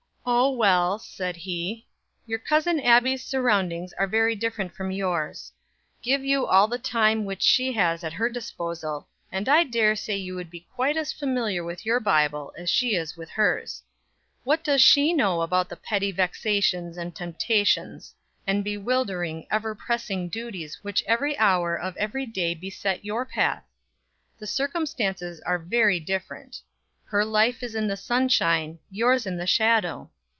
"Oh, well," said he, "your Cousin Abbie's surroundings are very different from yours. Give you all the time which she has at her disposal, and I dare say you would be quite as familiar with your Bible as she is with hers. What does she know about the petty vexations and temptations, and bewildering, ever pressing duties which every hour of every day beset your path? The circumstances are very different. Her life is in the sunshine, yours in the shadow.